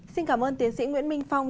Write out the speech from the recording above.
xin cảm ơn tiến sĩ nguyễn minh phong